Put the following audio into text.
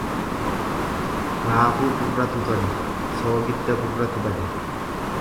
Raafuu gurratu tole, soogidda gurratu bade.